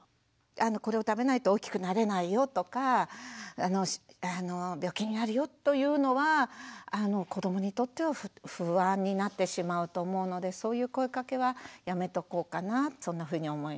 「これを食べないと大きくなれないよ」とか「病気になるよ」というのは子どもにとっては不安になってしまうと思うのでそういう声かけはやめとこうかなそんなふうに思います。